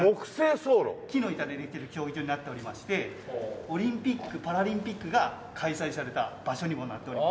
木の板でできている競技場になっておりましてオリンピックパラリンピックが開催された場所にもなっております。